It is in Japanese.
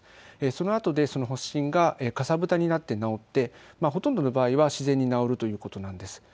そのあとで発疹がかさぶたになって治って、ほとんどの場合は自然に治るということなんです。